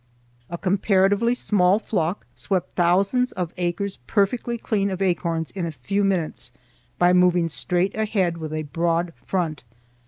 A comparatively small flock swept thousands of acres perfectly clean of acorns in a few minutes, by moving straight ahead with a broad front.